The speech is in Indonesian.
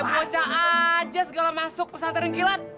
udah kepoca aja segala masuk pesat renkila